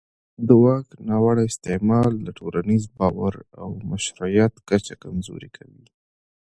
د واک ناوړه استعمال د ټولنیز باور او مشروعیت کچه کمزوري کوي